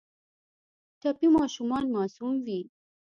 ټپي ماشومان معصوم وي.